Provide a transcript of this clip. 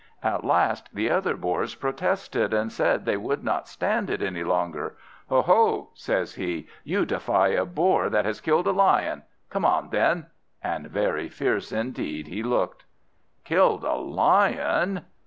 At last the other Boars protested, and said they would not stand it any longer. "Oho!" says he, "you defy a Boar that has killed a Lion! Come on, then!" and very fierce indeed he looked. Killed a Lion!